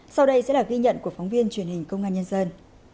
sau đây sẽ là ghi nhận của phóng viên truyền hình công an nhân dân